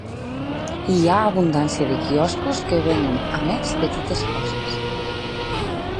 Hi ha abundància de quioscos que venen a més petites coses.